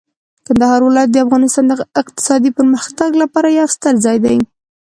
کندهار ولایت د افغانستان د اقتصادي پرمختګ لپاره یو ستر ځای دی.